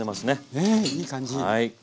ねいい感じ。